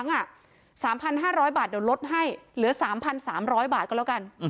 ต้องหลายครั้งอะ๓๕๐๐บาทเดี๋ยวลดให้เหลือ๓๓๐๐บาทก็แล้วกัน